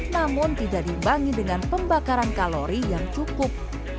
namun tidak dibangi dengan pembakaran kalori yang cukup